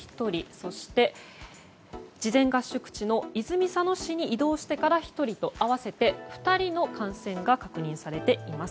そして、事前合宿地の泉佐野市に到着してから１人と合わせて２人の感染が確認されています。